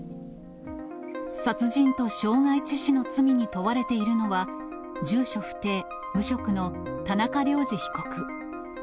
殺人と傷害致死の罪に問われているのは、住所不定無職の田中涼二被告。